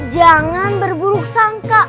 jangan berburuk sangka